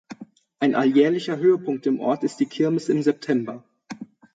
Ein alljährlicher Höhepunkt im Ort ist die Kirmes im September.